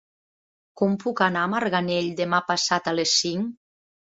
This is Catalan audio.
Com puc anar a Marganell demà passat a les cinc?